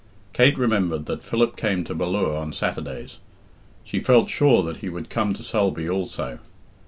Kate remembered that Philip came to Ballure on Saturdays. She felt sure that he would come to Sulby also.